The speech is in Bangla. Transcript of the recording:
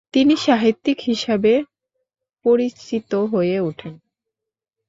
তিনি সাহিত্যিক হিসেবে পরিচিত হয়ে ওঠেন।